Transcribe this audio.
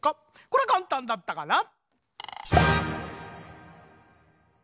こりゃかんたんだったかな？